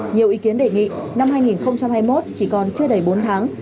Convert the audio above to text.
nhiều ý kiến đề nghị năm hai nghìn hai mươi một chỉ còn chưa đầy bốn tháng